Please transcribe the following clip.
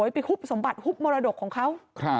ไปขึ้บสมบัติของมรดกของเขา